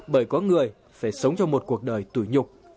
bởi có người phải sống cho một cuộc đời tủi nhục